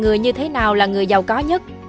người như thế nào là người giàu có nhất